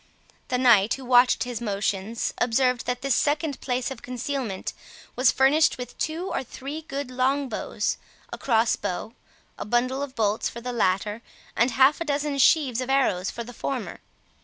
The knight, who watched his motions, observed that this second place of concealment was furnished with two or three good long bows, a cross bow, a bundle of bolts for the latter, and half a dozen sheaves of arrows for the former.